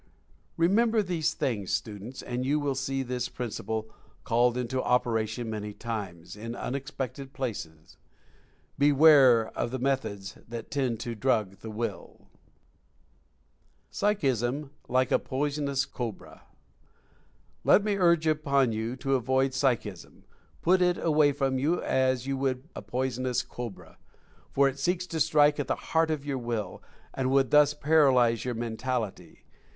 Remember these things, students, and you will see this principle called into operation many times, in unexpected places. Be ware of the methods that tend to drug the Will. 154 Mental Fascination PSYCHISM LIKE A POISONOUS COBRA. Let me urge upon you to avoid "Psychism" — put it away from you as you would a poisonous cobra, for it seeks to strike at the heart of your Will, and would thus paralyze your mentality.